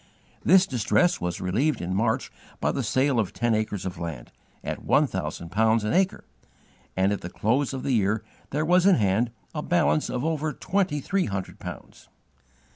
This distress was relieved in March by the sale of ten acres of land, at one thousand pounds an acre, and at the close of the year there was in hand a balance of over twenty three hundred pounds.